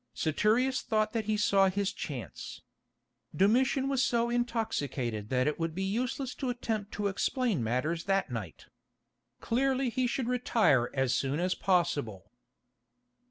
Saturius thought that he saw his chance. Domitian was so intoxicated that it would be useless to attempt to explain matters that night. Clearly he should retire as soon as possible.